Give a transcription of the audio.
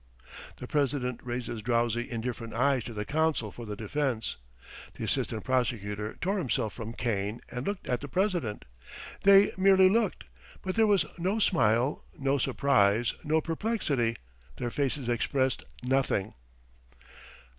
The president raised his drowsy indifferent eyes to the counsel for the defence. The assistant prosecutor tore himself from "Cain," and looked at the president. They merely looked, but there was no smile, no surprise, no perplexity their faces expressed nothing.